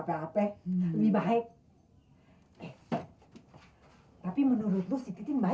lagian kan bang mamak udah tua belum tentu si titin mau